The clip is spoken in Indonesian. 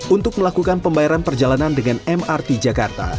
untuk melakukan pembayaran perjalanan dengan mrt jakarta